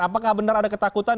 apakah benar ada ketakutan